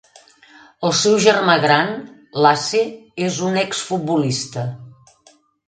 El seu germà gran, Lasse, és un exfutbolista.